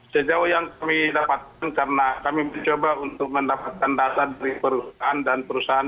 sejauh yang kami dapatkan karena kami mencoba untuk mendapatkan data dari perusahaan dan perusahaan